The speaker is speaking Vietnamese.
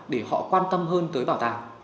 để họ quan tâm hơn tới bảo tàng